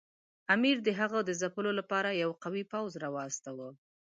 امیر د هغه د ځپلو لپاره یو قوي پوځ ورواستاوه.